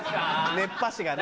熱波師がね。